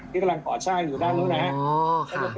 ที่ตะมนต์ศาลิกานะครับ